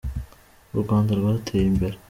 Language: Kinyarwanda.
U Rwanda rwateye imbere.